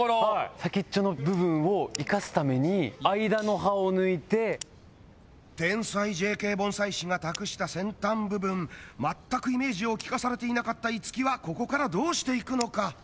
先っちょの部分を生かすために間の葉を抜いて天才ＪＫ盆栽師が託した先端部分全くイメージを聞かされていなかった樹はここからどうしていくのか？